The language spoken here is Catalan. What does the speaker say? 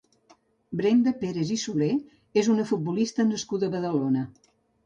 Brenda Pérez i Soler és una futbolista nascuda a Badalona.